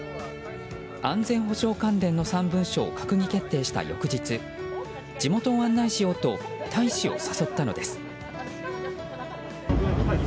安全保障関連の３文書を閣議決定した翌日地元を案内しようと大使を誘ったのです。